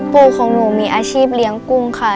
ปู่ของหนูมีอาชีพเลี้ยงกุ้งค่ะ